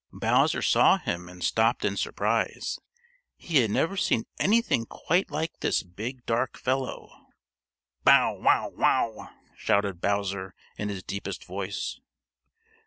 Bowser saw him and stopped in surprise. He had never seen anything quite like this big dark fellow. "Bow, wow, wow!" shouted Bowser in his deepest voice.